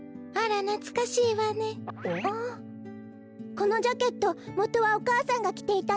このジャケットもとはお母さんがきていたの？